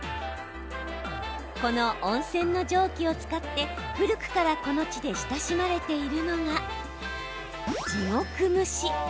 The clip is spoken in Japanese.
この温泉の蒸気を使って古くからこの地で親しまれているのが地獄蒸し。